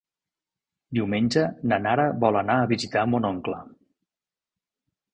Diumenge na Nara vol anar a visitar mon oncle.